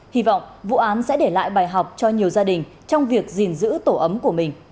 hy vọng vụ án sẽ để lại bài học cho nhiều gia đình trong việc gìn giữ tổ ấm của mình